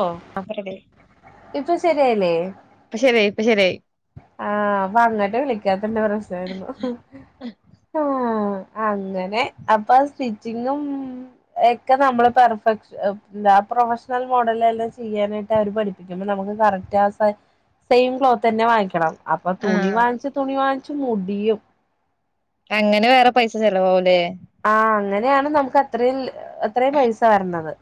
ഓഹ് അ പ്പ റെഡിആയി. ഇപ്പൊ ശെരിയായ്ല്ലെ. പ്പ ശെരായി ഇപ്പൊ ശെരായി. ആഹ് അപ്പങ്ങട്ട് വിളിക്കാത്ത്ന്റെ പ്രശ്നായിരുന്നു. ഹും അങ്ങനെ അപ്പൊ സ്റ്റിച്ചിങ്ങും. എക്കെ നമ്മള് പെർഫെക്ശ് ഹ് എന്താ പ്രൊഫ്ഷ്ണൽ. മോഡലെല്ലാം ചെയ്യാനായ്ട്ട് അവര് പഠിപ്പിക്കുമ്പ നമുക്ക് കറക്റ്റ് ആ സെ സെയിം ക്ലോത്തന്നെ വാങ്ങിക്കണം. അപ്പൊ തുണി ആഹ് വാങ്ങിച്ച് തുണി വാങ്ങിച്ച് മുടിയും. അങ്ങനെ വേറെ പൈസ ചെലവാവുലേ? ആഹ് അങ്ങനെയാണ് നമുക്ക് അത്രയും ഹ്മ് അത്രയും പൈസ വര്നത്.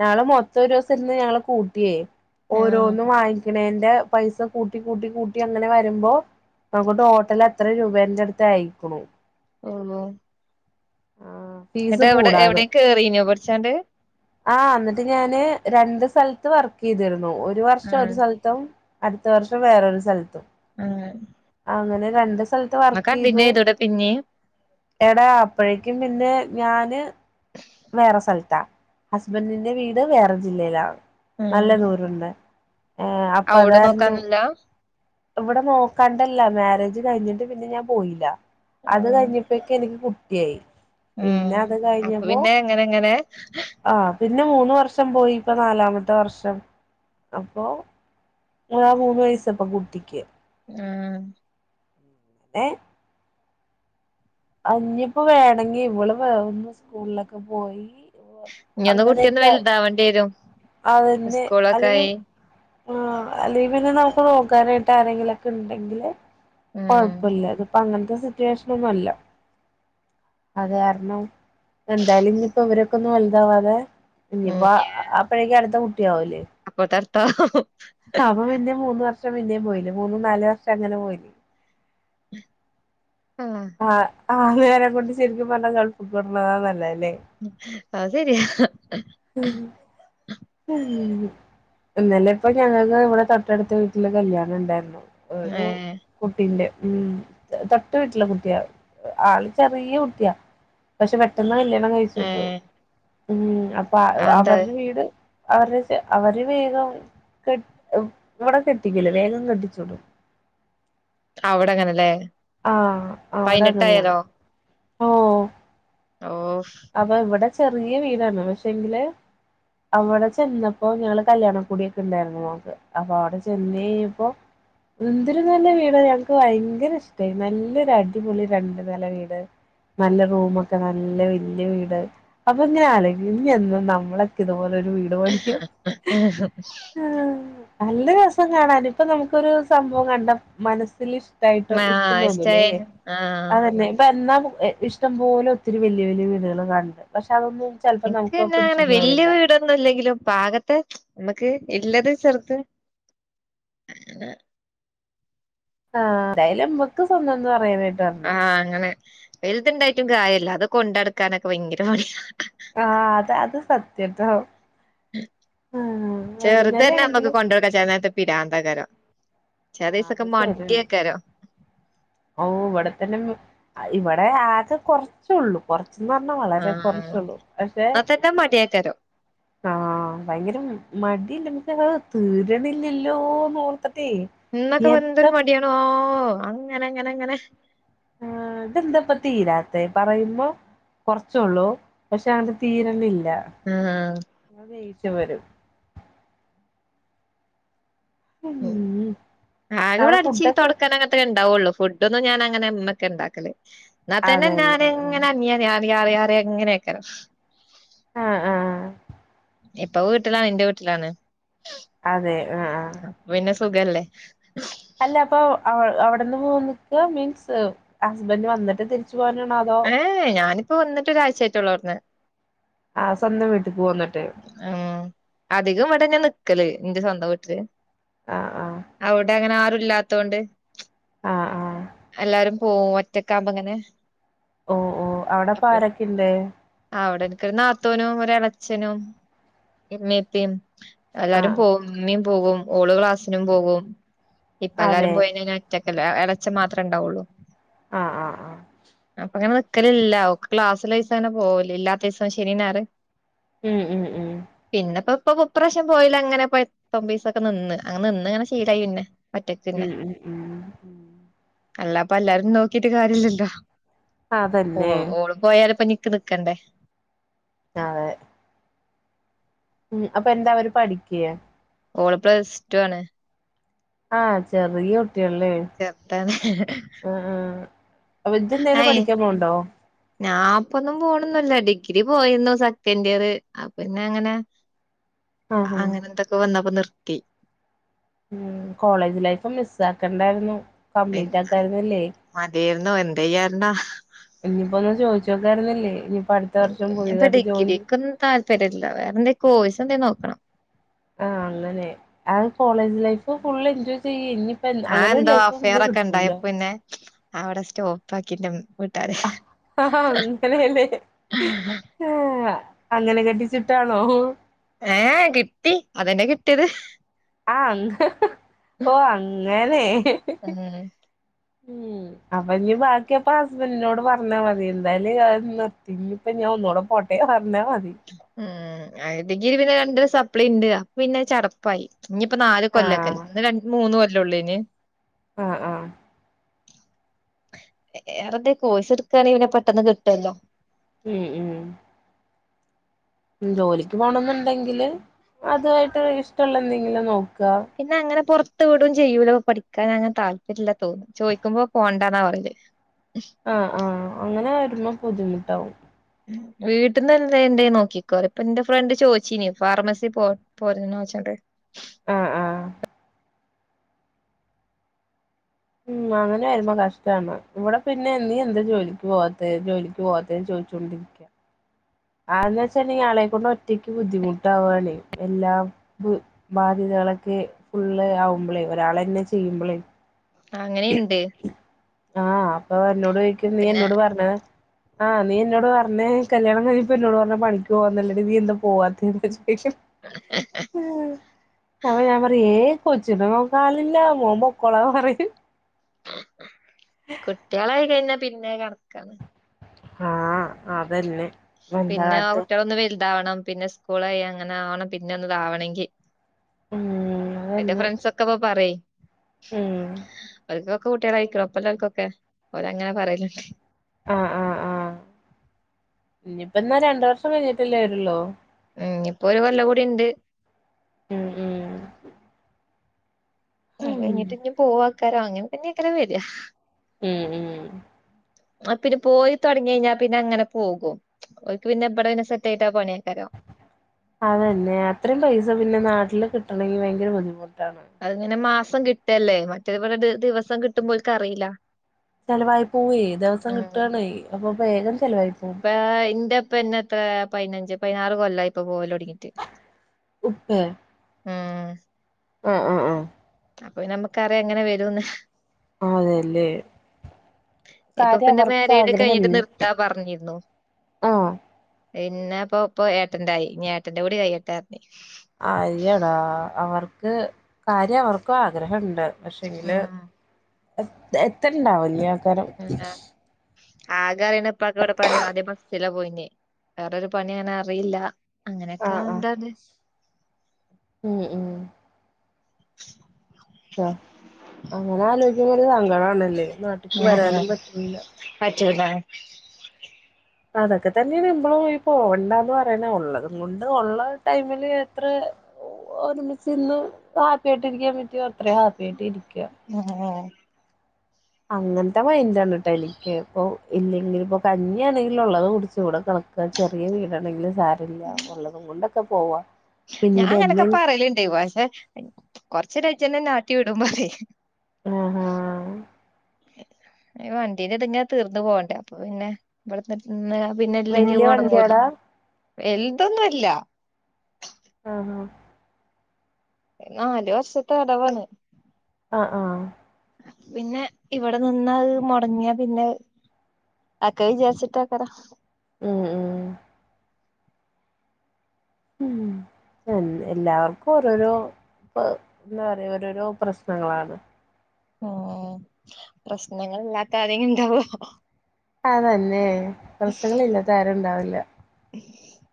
ഞങ്ങള് മൊത്തം ഒരൂസെര്ന്ന് ഞങ്ങള് കൂട്ട്യേ ആഹ് ഓരോന്നും വാങ്ങിക്ക്ണേന്റെ. പൈസ കൂട്ടി കൂട്ടി കൂട്ടി അങ്ങനെ വരുമ്പോ. അപ്പൊ ട്ടോട്ടൽ എത്ര രൂപേന്റെ അട്ത്ത് അയ്ക്ക്ണു. ഉവ്വോ. ആഹ്. എന്നിട്ട്വ്ടെ എവ്ടേം കേറീനോ പട്ച്ചാണ്ട്. ആഹ് ന്നിട്ട് ഞാന് രണ്ട് സ്ഥലത്ത് വർക്കെയ്തിരുന്നു ഒരു വർഷം ആഹ് ഒരു സെൽ. ത്തും അടുത്ത വർഷം വേറൊരു സെൽത്തും. അങ്ങനെ അങ്ങനെ രണ്ട് സ്ഥലത്ത് വർക്കെയ്തു. ചെയ്തൂടെ പിന്നേം എടാ അപ്പോഴേക്കും പിന്നെ ഞാന്. വേറെ സ്ഥലത്ത് ഹസ്ബന്റിന്റെ വീട് വേറെ ജില്ലയിലാണ്. നല്ല ആഹ് ദൂരണ്ട് ഏഹ് അപ്പ അവിടെ അതാരണം. നോക്കാനില്ല ഇവ്ടെ നോക്കാണ്ടല്ല മാരേജ് കയ്ഞ്ഞ്ട്ട് പിന്നെ ഞാൻ പോയില്ല അത് ആഹ് കയ്ഞ്ഞ്. അപ്പൊയേക്കും എനിക്ക് കുട്ടിയായി ഉം പിന്നെ അത് അപ്പൊ കഴിഞ്ഞപ്പോ. പിന്നെ അങ്ങനെ അങ്ങനെ ആഹ് പിന്നെ മൂന്ന് വർഷം പോയി ഇപ്പൊ നാലാമത്തെ വർഷം അപ്പൊ. ആഹ് മൂന്ന് വയസ്സിപ്പൊ കുട്ടിക്ക്. മ് ഏഹ്. അഹ്ഞ്ഞിപ്പൊ വേണങ്കിൽ ഇവള് വേ ഒന്ന് സ്കൂളിലൊക്കെ പോയി. ഇനിയൊന്ന് കുട്ടിയൊന്ന് അങ്ങനൊക്കെ വലുതാവേണ്ടി വരും അവന്ന് സ്കൂളൊക്കെ അല്ലെങ്കി. ആയി ആഹ് അല്ലേ പിന്നെ നമുക്ക് നോക്കാനായിട്ട് ആരെങ്കിലുംക്കെ ഇണ്ടെങ്കില്. ഉം കൊഴ്പ്പുല്ല ഇത്പ്പൊ അങ്ങൻത്തെ സിറ്റുവേഷ്നൊന്നു അല്ല. അതാരണം എന്തായാലും ഇഞ്ഞ്പ്പൊ ഇവരൊക്കെ ഒന്നും വലുതാവാതെ ഇഞ്ഞ്പ്പോആ ആഹ്. അപ്പഴേക്കും അടുത്ത കുട്ടിയാവുലേ. അപ്പൊത്തട്ത്താഹും. അപ്പ പിന്നേ മൂന്ന് വർഷം പിന്നേം പോയില്ലെ മൂന്ന് നാല് വർഷം അങ്ങനെ പോയില്ലെ. ഹ് ഹ്മ്. ആഹ് ആ നേരം കൊണ്ട് ശെര്ക്കും പർഞ്ഞാ ഗൾഫ്ക്ക് വിടുന്ന നല്ലലെ ഹ്മ് അഹ് ശെരിയാ. ഹ്മ്. ഹ്മ് ഇന്നലെപ്പൊ ഞങ്ങൾകടെ ഇവ്ടെ തൊട്ടട്ത്ത വീട്ടില് കല്യാണണ്ടേര്ന്നു. ഓരു ഏഹ് കുട്ടിന്റെ. ഉം തൊട്ട് വീട്ട്ലെ കുട്ട ആള് ചെറിയ കുട്ട. പഷേ പെട്ടെന്ന് കല്യാണം കഴ്ച്ച് വിട്ടു ഏഹ് ഉം അപ്പൊ അ ഹ് അതെന്താ അവര്ടെ വീട്. അവര്ടെ അവരെ വേഗം കെട് ഇവ് ഇവ്ടെ കെട്ടിക്കല് വേഗം കെട്ടിച്ച് വിടും. അവ്ടെങ്ങനെലെ. ആഹ് അവ്ടെ അങ്ങനെയാണ് ഓഹ്. ഓഹ്. അപ്പൊ ഇവ്ടെ ചെറിയ വീടാണ് പക്ഷെങ്കില്. അവിടെ ചെന്നപ്പോ ഞങ്ങള്കല്യാണം കൂടിട്ടിണ്ടാരുന്നു മോക്ക് അപ്പൊ അവിടെ ചെന്നേഴിഞ്ഞപ്പൊ എന്തൊരുനല്ല വീട ഞങ്ങക്ക് ഭയങ്കര ഇഷ് ടായി നല്ലൊരു അടിപൊളി രണ്ട്നെല വീട് നല്ല റൂമൊക്കെ നല്ല വല്യ വീട് അപ്പൊ ഇങ്ങനാലോയിക്കു ഇഞ്ഞെന്ന നമ്മളൊക്കെ ഇതുപോലൊരു വീടെ മേടിക്ക ആഹ് നല്ല രസം കാണാന് ഇപ്പനമുക്കൊരു സംഭവം കണ്ട മനസ്സില് ഇഷ്ടായിട്ട് ഇഷ് ടം ആഹ് തോന്നൂല്ലെ ഇഷ്ടായൻ ആഹ് അതന്നെ ഇപ്പൊ എന്നാ ഇഷ് ഇഷ്ടം പോലെ ഒത്തിരി വല്യ വല്യ വീടള് കാണിക്കു പക്ഷെ അതൊന്നു എന്ക്ക്പിന്നെ അങ്ങനെ വല്യ വീട് ന്നുല്ലെങ്കിലും പാകത്തെ മ്മുക്ക് ഇല്ലത് ചെറത് ആഹ് എന്തായലും നമ്മക്ക് സ്വന്തന്ന് പറയാനാട്ട് ആഹ് അങ്ങനെ വല്ത് ഇണ്ടായിട്ടും കാര്യല്ല അത് കൊണ്ടടക്കാനൊക്കെ ഭയങ്കര പണിയ ആഹ് അത അത് സത്യട്ടോ ആഹ് ഒരു ചെറുത്തന്നെ നമ്മക്ക് നെലയാണെങ്കിലും കൊണ്ട് വിടാൻ ചെലനേരത്ത് പിരാന്താകരം ആഹ് അത്ശെരി ഓ ഇവിടെതന്നെ ഇവടെ ആകെ കൊറ- കൊറച്ചൂള്ളൂ കുറച്ചന്നറഞ്ഞാ വളരെ കൊറച്ചുള്ളൂ പക്ഷേ മടിയാക്കരൊ ആഹ് ഭയങ്കര മടി [unintelligible] തീരണില്ലല്ലോന്ന് ഓർത്ത്ട്ടെ. ഇന്നൊക്കെ വെന്തൊരു മടിയാണോ അങ്ങനെ നങ്ങനെ നങ്ങനെ. ആഹ് ഇതെന്താപ്പൊ തീരാത്തെ പറയുമ്പൊ. കൊറച്ചോള്ളു. പക്ഷെ അങ്ങട് തീരണില്ല. ആഹ് [unintelligible] വരും ഉം ആകെവിടെ അവിടെ അടിച്ചി ഫുഡൊക്കെ തൊടക്കാൻ അങ്ങനത്തൊക്കെ ഇണ്ടാവുള്ളൂ. ഫുഡ് ഇതൊന്നും ഞാനങ്ങനെ ഉമ്മക്കെ ഇണ്ടാക്കല്. എന്നാതന്നെ അതെല്ലേ ഉം ഞാനെങ്ങനെ അനിയാറെയാറെ. ഇങ്ങനെയൊക്കെ. ആഹ് ആ. ഇപ്പ വീട്ടിലാണ് ന്റെ വീട്ടിലാണ്. അതെ ആഹ് ആ. പിന്നെ സുഖല്ലേ. അല്ല അപ്പൊ അവിടെന്ന് പോന്നിക്ക, മീൻസ് ഹസ്ബൻഡ് വന്നിട്ട് തിരിച്ചു പോരനാണൊ അതോ. ഏഹ് ഞാനിപ്പോ വന്നിട്ട് ഒരാഴ്ചയായിട്ടള്ളൂ അവിട്ന്ന്. ആഹ് സ്വന്തം വീട്ടിക്ക് പോന്നിട്ട്. ഉം അധികം ഇവടന്നയ നിക്കല്. എന്റെ സ്വന്തം വീട്ടില്. ആഹ് ആ. അവിടെ അങ്ങനെ ആരും ഇല്ലാത്തോണ്ട്. ആഹ് ആഹ് എല്ലാരും, പോവും. ഒറ്റക്കാവ്മ്പ് ഇങ്ങനെ ഓഹ് ഓഹ് അവിടെപ്പ ആരൊക്കെ ഇണ്ട്? ആഹ് അവടെ നിക്കൊരു നാത്തൂനും, ഒരെളച്ചനും, ഇമ്മേ പ്പയും. എല്ലാരും ആഹ് ആഹ് പോവും ഇമ്മയും പോകും, ഓള് ക്ലാസ്സിനും പോകും. ഇപ്പ എല്ലാരും അതെ പോയേന ഞാൻ ഒറ്റക്കല്ലെ. എളേച്ചൻ മാത്രെ ഇണ്ടാവുള്ളൂ. ആഹ് ആഹ് ആഹ് അപ്പൊങ്ങനെ നി ക്കലില്ല. ഓക്ക് ക്ലാസിള്ളീസാങ്ങനെ പോകലില്ല. ഇല്ലാത്തീവസം ശനീം ഞായറും, ഉം ഉം ഉം പിന്നെപ്പ ഇപ്പൊപൊ [unintelligible] പ്രാവശ്യം പോയില്ല അങ്ങനെപ്പൊ എത്തൊ പിസൊക്കെ നിന്ന്. അങ്ങ് നിന്ന്ങ്ങനെ ശീലായി പിന്നെ. ഒറ്റക്കന്നെ. ഉം ഉം ഉം അല്ലപ്പ എല്ലാരും നോക്കിട്ട് കാരില്ലല്ലോ. അതല്ലേ ഉവ്വ. ഓള് പോയാലിപ്പോ നിക്ക് നിക്കണ്ടേ? ആ അതെ. ഉം അപ്പൊ എന്താ അവര് പഠിക്ക. ഓള് പ്ലസ് റ്റു ആണ്. ആഹ് ചെറിയ കുട്ട്യാണ്ല്ലേ. ചെർതാണ്. ആഹ് അപ്പ ജ്ജെന്തേലും പഠിക്കാൻ പോണ് ണ്ടോ? ഞാ പ്പൊന്നും പോണൊന്നുല്ല. Degree പോയിര്ന്നു second year. അപ്പന്നങ്ങനെ ആഹ് ആഹ് അങ്ങനത്തൊക്കെ വന്നപ്പോ നിർത്തി. ഉം കോളേജ് ലൈഫ് മിസ്സാക്കണ്ടാര്ന്നു. [unintelligible] മാത്യേര്ന്നു എന്ത് ചെയ്യാൻടാ. ഞ്ഞിപ്പൊന്ന് ചോയിച്ച് നോക്കാര്ന്നില്ലേ. ഞ്ഞിപ്പ അട്ത്ത വർഷം പുത്യേതായിട്ട് ജോയിൻ ചെയ്യാൻ. താല്പരില്യ. വേറെന്ത്യേ കോയ്സെന്ത്യേ നോക്കണം. ആഹ് അങ്ങനെ. ആഹ് കോളേജ് ലൈഫ് ഫുള്ള് എൻജോയ് ചെയ്യ് ഞ്ഞിപ് ആഹ് എന്തോ അഫെയർ ഒക്കെ ണ്ടായപിന്നെ അവടെ സ്റ്റോപ്പാക്കിന്റമ്മ്. വീട്ടാര്. ആഹ് ഉവ്വാ ആഹ് അങ്ങനെ കെട്ടിച്ച് വിട്ടാണോ. ഏഹ് കിട്ടി അതന്നെ കിട്ട്യേത്. ആഹ് അന്ന് ഓ അങ്ങനെ. ഉം ഉം. അപ്പ ഞ്ഞി ബാക്കി അപ്പ ഹസ്ബൻറിനോട് പറഞ്ഞാ മതി. എന്തായാലും അത് നിർത്തി. ഞ്ഞി അപ്പൊ ഞാനൊന്നൂടെ പോട്ടെ പറഞ്ഞാ മതി. ഉം ആഹ് ഡിഗ്രി പിന്നെ രണ്ടെണ്ണം സപ്ലിണ്ട് അപ്പ പിന്നെ ചടപ്പായി ഞ്ഞിപ്പ നാല് കൊല്ലൊക്കെല്ലെ ആഹ് അന്ന് രണ്ട് മൂന്ന് കൊല്ലൊള്ളെയ്ന് ആഹ് ആഹ് വേറെന്തേ കോഴസ് ട്ക്കാണെങ്കി പെട്ടെന്ന് കിട്ടല്ലോ ഉം ഉം ജോലിക്ക് പോണന്ന്ണ്ടെങ്കില് അതായിട്ട് ഇഷ്ടള്ള എന്തെങ്കിലും നോക്ക പിന്നങ്ങനെ പൊർത്ത് വ്ടും ചെയ്യൂല പഠിക്കാനങ്ങനെ താൽപ്പര്യല്ലാ തോന്ന്ണു. ചോയ്ക്കുമ്പോ പോണ്ടാന്ന പറയല് ആഹ് ആഹ് അങ്ങനെ വര്മ്പോ ബുദ്ധിമുട്ടാവും വീട്ടീന്ന്ല്ല എന്തേലും നോക്കിക്കോ പറയും ഇപ്പ ന്റെ ഫ്രണ്ട് ചോയിച്ചീനി ഫാർമസീ പോ പോര്ണോച്ചാണ്ട് ആഹ് ആഹ് ഉം അങ്ങനെ ആര്ന്നു കഷ്ട്ടാന്ന് ഇവടെ പിന്നെ നീ എന്താ ജോലിക്ക് പോവാതെ ജോലിക്ക് പോവാതെ ചോയ്ച്ചോണ്ടിരി ക്ക്യ അതെന്താച്ചാല് ആളെക്കൊണ്ട് ഒറ്റയ്ക്ക് ബുദ്ധിമുട്ടാവാണെയ് എല്ലാം ബ് ബാധ്യതാളൊക്കെ ഫുള്ള് ആവുമ്പളേ ഒരാളെന്നെ ചെയ്യുമ്പളേ അങ്ങനീണ്ട് ആഹ് അപ്പ എന്നോട് ചോയ്ക്കും നീ പിന്നെ എന്നോട് പർഞ്ഞത് ആഹ് നീ എന്നോട് പർഞ്ഞെ കല്യാണം കഴിഞ്ഞപ്പോ എന്നോട് പറഞ്ഞ പണിക്ക് പോവാന്നല്ലടി നീ എന്താ പോവാതെ ചോ യ്ക്കും അപ്പം ഞാൻ പറയും ഏഹ് കൊച്ചിനെ നോക്കാൻ ആളില്ല മോം പൊക്കോളാം പറയും കുട്ട്യാളായി കഴിഞ്ഞാ പിന്നെ കണക്കാണ്. ആഹ് അതെന്നെ പിന്നെ ആ കുട്ട്യാളൊന്ന് വൽതാവണം. പിന്നെ സ്കൂളായി അങ്ങനെ ആവണം പിന്നെ ഒന്ന് താവണെങ്കി ഉം എന്റെ അതന്നെ ഫ്രണ്ട്സൊക്കെപ്പ പറീം ഉം ഓൽക്കൊ ക്കെ കുട്ട്യളായ്ക്ക്ണ് ഒപ്പലോൽക്കൊക്കെ ഓലങ്ങനെ പറേല്ണ്ട് ആഹ് ആഹ് ആഹ് ഞ്ഞിപ്പന്നാ രണ്ട് വർഷം കഴിഞ്ഞിട്ടല്ലേ വര്ള്ളൂ ഉം ഞ്ഞിപ്പൊ ഒര് കൊല്ലങ്കൂടിണ്ട് ഉം ഉം അത് ഉം കഴിഞ്ഞിട്ട് ഞ്ഞി പോവാക്കാരം അങ്ങൻ തന്നെക്കാരം വര്യാ ഉം ഉം ആഹ് പിന്നെ പോയി തൊടങ്ങി കഴിഞ്ഞാ പിന്നങ്ങനെ പോകും. ഒക്ക് പിന്നെ ഇബടെ പിന്നെ സെറ്റായിട്ടാൻ പണിയെയ്ക്കാരം അതന്നെ അത്രയും പൈസ പിന്നെ നാട്ടില് കിട്ടണങ്കിൽ ഭയങ്കര ബുദ്ധിമുട്ടാണ് അത്ങ്ങനെ മാസം കിട്ടല്ലേ മറ്റേ ഇവടെ ദിവസം കിട്ടുമ്പോൽക്കറീല്ല ചെലവായി പോവേ ദിവസം കിട്ടാണേ അപ്പൊ വേഗം ചെലവായി പോ ആ ഇന്റെ ഇപ്പന്നത്ര പയ്നഞ്ച് പതിനാറ് കൊല്ലായി ഇപ്പ പോവല് തൊടങ്ങീട്ട് ഉപ്പേ ആഹ് ആഹ് ആഹ് ആഹ് അപ്പൊ പിന്നെ നമ്മക്കറിയാ എങ്ങനെ വരുംന്ന് അതെല്ലേ ഇപ്പൊ കാര്യം പിന്നെ അവർക്ക് മാരീഡ് കഴിഞ്ഞിട്ട് ആഗ്രഹണ്ട് നിർത്താ പറഞ്ഞിരുന്നു ആഹ് പിന്നെ പ്പൊ ഇപ്പൊ ഏട്ടന്റായി ഇഞ് ഏട്ടന്റെ കൂടി കഴിയട്ടെ പറഞ്ഞ് അയ്യടാ അവർക്ക് കാര്യ അവർക്കു ആഗ്രഹണ്ട് പക്ഷെങ്കില് ഉം എത്തല് ണ്ടാവൂല്യാക്കാരം പിന്നെ ആകെ അറിയുന്ന ഇപ്പാക്ക് ഇവിടെ പണി ആദ്യം ബസ്സിലാ പോയിന്നേ വേറൊരു പണി അങ്ങനെ അറിയില്ല അങ്ങനെയൊക്കെ ആഹ് ആഹ് ആണ്ടാണ് ഉം ഉം ആ അങ്ങനെ ആലോചിക്കുമ്പ ഒരു സങ്കടാണ്ല്ലേ നാ ഞാ ഞാ പറ്റൂല ല്ലേ അതൊക്കെ തെന്ന്യാണ് നമ്മളും ഈ പോവണ്ടാന്ന് പറയ്ണെ ഒള്ളതും കൊണ്ട് ഒള്ള ടൈമില് എത്ര ഒരുമിച്ചിന്ന് ഹാപ്പി ആയിട്ട് ഇരിക്കാൻ പറ്റ്യോ അത്രീം ഹാപ്പി ആയിട്ട് ഇരിക്ക ആഹ് അങ്ങൻത്തെ മൈൻഡ് ആണുട്ടോ എനിക്ക് ഇപ്പൊം ഇല്ലെങ്കിലിപ്പോ കഞ്ഞ്യാണെങ്കിലും ഒള്ളത് കുടിച്ച് ഇവടെ [unintelligible] ചെറിയേ വീടാണെങ്കിലും സാരല്ല ഉള്ളതും കൊണ്ടൊക്കെ പോവാ പിന്നീട് എന്തെ ഇണ്ട് പാഷെ കൊർച്ചേഞ്ഞാ ആജ്ജന്നെ ഇന്നെ ആട്ടി വിടുമ്പറി ആഹാ വണ്ടീന്ന് [unintelligible] തീർന്ന് പോണ്ടേ അപ്പൊ പിന്നെ ഇവ്ട്ന്നി പിന്നെ ഇല്ലെങ്കി വല്യ മൊടങ്ങൂലെ വണ്ടിയാടാ വെൽതൊന്നുല്ല ആഹ ഈ നാല് വർഷത്തെ അടവാണ് ആഹ് ആഹ് പിന്നെ ഇവടെ നിന്നാ മൊടങ്ങ്യാ പിന്നെ ആക്ക വിജാര്ച്ചിട്ടാക്കാര ഉം ഉം ഉം എൻ എല്ലാർക്കു ഓരോരോ ഇപ്പ എന്താ പറയാ ഓരോരോ പ്രശ്നങ്ങളാണ് ഉം പ്രശ്നങ്ങളില്ലാത്ത ആരേങ്കിണ്ടാവോ അതന്നെ പ്രേശ്നങ്ങളില്ലാത്ത ആരുണ്ടാവില്ല ഉം [inaudible]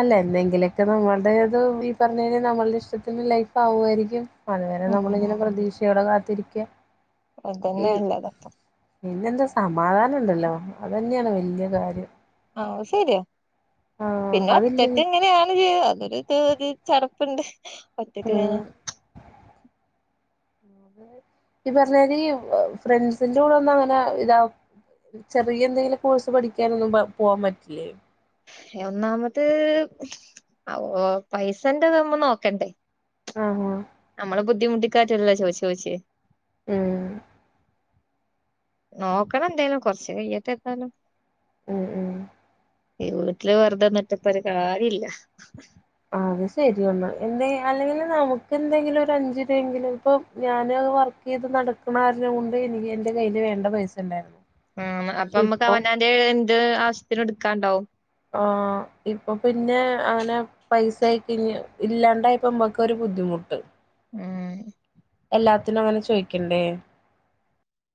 അല്ല എന്നെങ്കിലൊക്കെ നമ്മൾടേതും ഈ പർഞ്ഞ നമ്മൾടെഷ്ടത്തിന് ലൈഫ് ആവ്വ്വാരിക്കും അട് വരെ ഉം നമ്മളിങ്ങനെ പ്രതീക്ഷയോടെ കാത്തിരിക്യാ അതെന്നെ അല്ലാതപ്പം പിന്നെന്താ സമാധാനണ്ടല്ലോ അതെന്ന്യാണ് വെല്ല്യെ കാര്യം ആ ശരിയാ ആ പിന്നെ അതില്ലെങ്കി ഒറ്റക്കിങ്ങനെ ആണ് ഒര് അതൊരു ക്ക ഒര് ചടപ്പിണ്ട് ഉം ഒറ്റക്കിങ്ങനെ ഈ പർഞ്ഞാരീ ഫ്രണ്ട്സിന്റെ കൂടെ ഒന്ന് അങ്ങനെ ഇതാ ചെറിയെ എന്തെങ്കിലും കോഴ്സ് പഠിക്കാനൊന്നും പ പോവാൻ പറ്റില്ലേ ഒന്നാമത് ഓ പൈസന്റെത് നമ്മള് നോക്കണ്ടേ ആഹ അമ്മള് ബുദ്ധിമുട്ടിക്കായ്ട്ടല്ലല്ലോ ചോയ്ച് ചോയിച്ച് ഉം നോക്കണന്തേലും കോർച്ച് കയ്യെട്ടെ എത്താലും ഉം ഉം ഈ വീട്ട്ല് വെറുതെന്നിട്ടിപ്പൊര് കാര്യല്ല ആ അത്ശരിയാണ് എന്നെ അല്ലെങ്കില് നമുക്ക് എന്തെങ്കിലും ഒരു അഞ്ചു രൂവെങ്കിലും ഇപ്പം ഞാന് വർക്ക് കേത് നടക്കിണര്ണം കൊണ്ട് എനിക്ക് എന്റെ കയ്യില് വേണ്ട പൈസണ്ടാരുന്നു ആഹ് മ അപ്പമ്മക്ക് അവനാന്റെ എന്ത് ആവശ്യത്തിനു ഇട്ക്കാണ്ടാവും ആഹ് ഇപ്പൊ പിന്നെ അങ്ങനെ പൈസ ആയിക്കഴിഞ്ഞ് ഇല്ലാണ്ടായ്പ്പ് അമ്മക്കൊരു ബുദ്ധിമുട്ട് ഉം എല്ലാത്തിനും അങ്ങനെ ചോയ്ക്കണ്ടേ